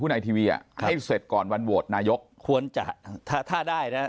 หุ้นไอทีวีอ่ะให้เสร็จก่อนวันโวทนายกควรจะถ้าได้นะครับ